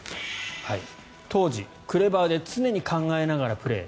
当時、クレバーで常に考えながらプレー。